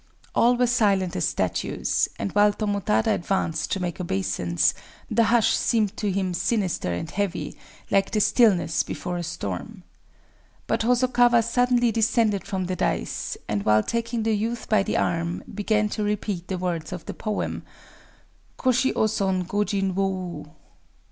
All were silent as statues; and while Tomotada advanced to make obeisance, the hush seemed to him sinister and heavy, like the stillness before a storm. But Hosokawa suddenly descended from the dais, and, while taking the youth by the arm, began to repeat the words of the poem:—"Kōshi ō son gojin wo ou."...